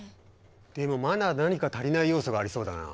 でもまだ何か足りない要素がありそうだな。